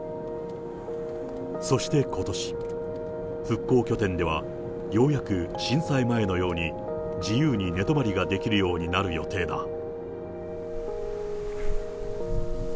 そしてことし、復興拠点ではようやく震災前のように、自由に寝泊まりができるようになる予定だ。